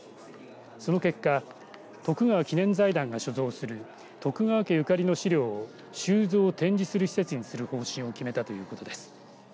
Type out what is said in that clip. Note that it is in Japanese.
その結果徳川記念財団が所蔵する徳川家ゆかりの資料を収蔵、展示する施設にする方針を決めたということです。